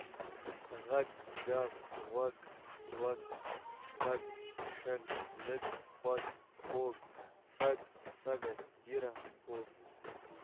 غږ، ږغ، غوَږ، ځوږ، شپږ، شږ، لږ، خوږ، خُوږ، سږ، سږی، ږېره، کوږ،